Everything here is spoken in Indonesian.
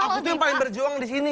aku tuh yang paling berjuang disini